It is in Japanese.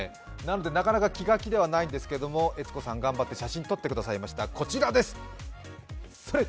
なかなか気が気ではないんですけれども、悦子さん頑張って写真撮ってくれました、こちらです。